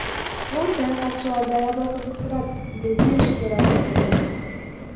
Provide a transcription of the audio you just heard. Бул саякатчыларды аябай кызыктырат, — деди ишкер Абдукаримов.